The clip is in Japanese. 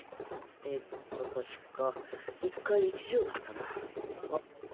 えっと確か１回１錠だったなあっ！